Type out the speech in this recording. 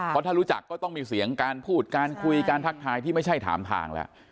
เพราะถ้ารู้จักก็ต้องมีเสียงการพูดการคุยการทักทายที่ไม่ใช่ถามทางแล้ว